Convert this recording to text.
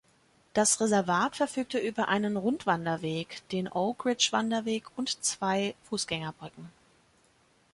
Das Reservat verfügte über einen Rundwanderweg, den Oak Ridge-Wanderweg und zwei Fußgängerbrücken.